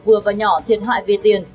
vừa và nhỏ thiệt hại về tiền